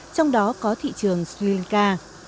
trong đó có thị trường sri lanka